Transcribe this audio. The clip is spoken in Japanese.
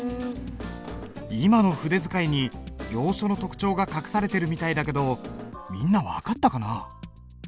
今の筆使いに行書の特徴が隠されてるみたいだけどみんな分かったかな？